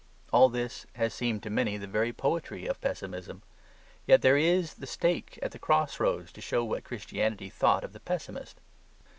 All this has seemed to many the very poetry of pessimism. Yet there is the stake at the crossroads to show what Christianity thought of the pessimist.